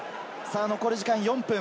残り時間４分。